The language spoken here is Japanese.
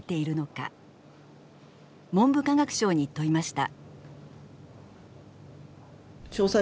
文部科学省に問いました。